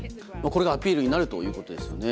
これがアピールになるということですよね。